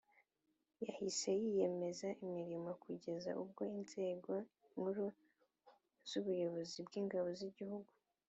yahise yiyemeza imirimo kugeza ubwo inzego nkuru z'ubuyobozi bw'ingabo z'igihugu